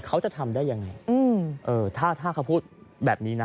เขาจะทำได้อย่างไรถ้าเขาพูดแบบนี้นะ